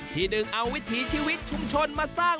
ดึงเอาวิถีชีวิตชุมชนมาสร้าง